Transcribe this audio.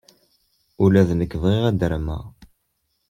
Ula d nekk bɣiɣ ad armeɣ.